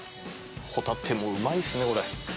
ホタテもうまいっすねこれ。